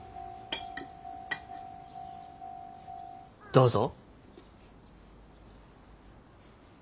どうぞ。